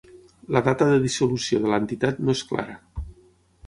La data de dissolució de l'entitat no és clara.